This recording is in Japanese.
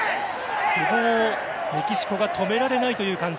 久保をメキシコが止められないという感じ。